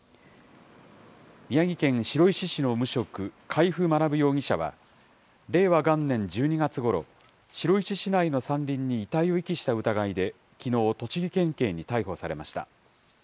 宮城県白石市の無職、海部学容疑者は、令和元年１２月ごろ、白石市内の山林に遺体を遺棄した疑いできのう、栃木県警に逮捕されました。